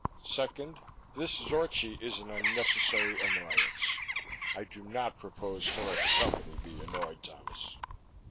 Second, this Zorchi is an unnecessary annoyance. I do not propose to let the Company be annoyed, Thomas.